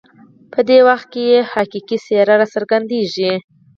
په دې وخت کې یې حقیقي څېره راڅرګندېږي.